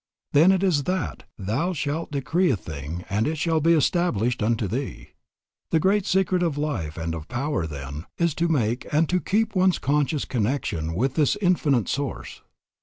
Then it is that "Thou shalt decree a thing and it shall be established unto thee." The great secret of life and of power, then, is to make and to keep one's conscious connection with this Infinite Source.